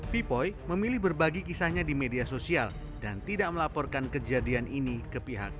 pipoi memilih berbagi kisahnya di media sosial dan tidak melaporkan kejadian ini ke pihak